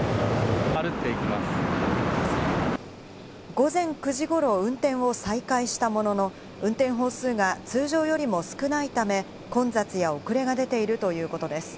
午前９時ごろ運転を再開したものの運転本数が通常よりも少ないため、混雑や遅れが出ているということです。